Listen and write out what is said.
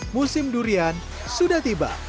musim durian sudah tiba